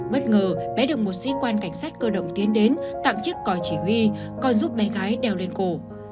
bất ngờ bé được một sĩ quan cảnh sát cơ động tiến đến tặng chiếc còi chỉ huy coi giúp bé gái đeo lên cổ